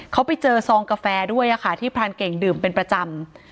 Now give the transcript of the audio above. เขาไปเจอซองกาแฟด้วยค่ะที่พรานเก่งดื่มเป็นประจำ